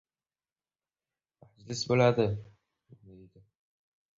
— Maylis bo‘ladi! — deydi.